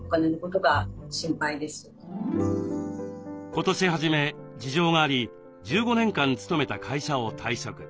今年初め事情があり１５年間勤めた会社を退職。